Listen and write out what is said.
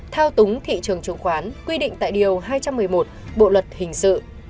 thao túng thị trường chứng khoán quy định tại điều hai trăm một mươi một bộ luật hình sự